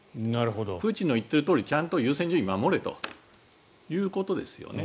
プーチンの言っているとおりちゃんと優先順位を守れということですよね。